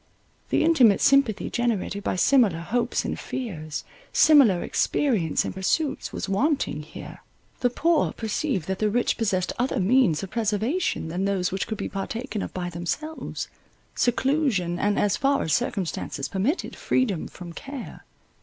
The intimate sympathy generated by similar hopes and fears, similar experience and pursuits, was wanting here. The poor perceived that the rich possessed other means of preservation than those which could be partaken of by themselves, seclusion, and, as far as circumstances permitted, freedom from care.